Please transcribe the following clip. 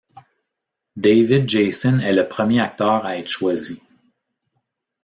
David Jason est le premier acteur à être choisi.